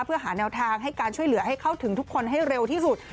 เพื่อหาแนวทางให้การช่วยเหลือให้เข้าถึงทุกคนให้เร็วที่สุด